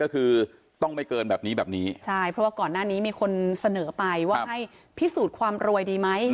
ก็คือต้องไม่เกินแบบนี้แบบนี้ใช่เพราะว่าก่อนหน้านี้มีคนเสนอไปว่าให้พิสูจน์ความรวยดีไหม